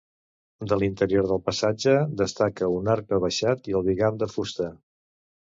De l'interior del passatge destaca un arc rebaixat i el bigam de fusta.